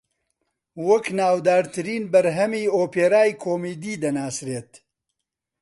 وەک ناودارترین بەرهەمی ئۆپێرایی کۆمیدی دەناسرێت